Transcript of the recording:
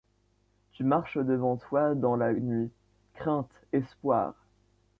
Tu marches devant toi dans la nuit. Crainte, espoir